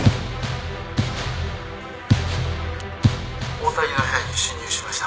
大谷の部屋に侵入しました。